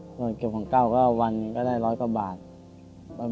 ส่วนเกี่ยวกับของเก้าก็วันก็ได้๑๐๐กว่าบาท